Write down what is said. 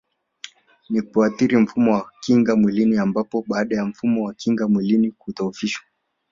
Ni kuathiri mfumo wa kinga mwilini ambapo baada ya mfumo wa kinga mwilini kudhohofishwa